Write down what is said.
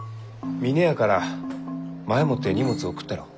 峰屋から前もって荷物を送ったろう？